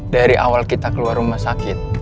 dari awal kita keluar rumah sakit